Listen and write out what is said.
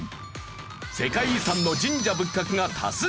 世界遺産の神社仏閣が多数！